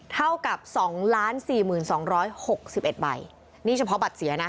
เท่ากับสองล้านสี่หมื่นสองร้อยหกสิบเอ็ดใบนี่เฉพาะบัตรเสียนะ